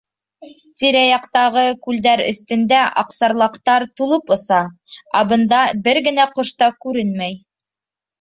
Тирә-яҡтағы күлдәр өҫтөндә аҡсарлаҡтар тулып оса, ә бында бер генә ҡош та күренмәй.